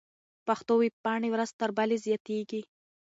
پښتو ويبپاڼې ورځ تر بلې زياتېږي.